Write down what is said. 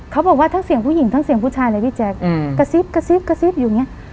เขาบอกว่าทั้งเสียงผู้หญิงทั้งเสียงผู้ชายเลยพี่แจ๊คกระซิบกระซิบกระซิบอยู่อย่างเงี้ย